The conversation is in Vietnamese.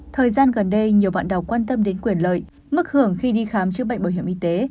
thời gian gần đây nhiều bạn đọc quan tâm đến quyền lợi mức hưởng khi đi khám chữa bệnh bảo hiểm y tế